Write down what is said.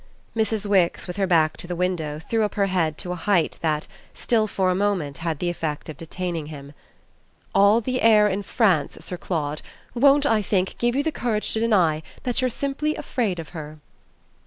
Mrs. Wix, with her back to the window, threw up her head to a height that, still for a moment, had the effect of detaining him. "All the air in France, Sir Claude, won't, I think, give you the courage to deny that you're simply afraid of her!"